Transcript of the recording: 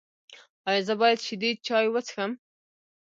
ایا زه باید شیدې چای وڅښم؟